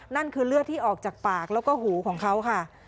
นั่นคือเลือดที่ออกจากปากแล้วก็หูของเขาค่ะ